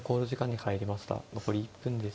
残り１分です。